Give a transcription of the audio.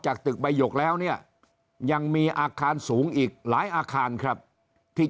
ตึกใบหยกแล้วเนี่ยยังมีอาคารสูงอีกหลายอาคารครับที่